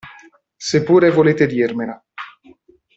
Se pure volete dirmela.